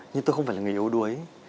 nhưng tôi không phải là người yếu đuối